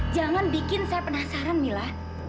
jangan bikin saya penasaran mila